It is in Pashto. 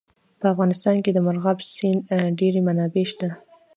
په افغانستان کې د مورغاب سیند ډېرې منابع شته.